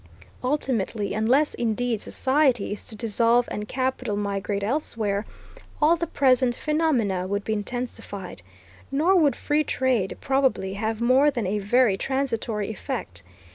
Ultimately, unless indeed society is to dissolve and capital migrate elsewhere, all the present phenomena would be intensified. Nor would free trade, probably, have more than a very transitory effect.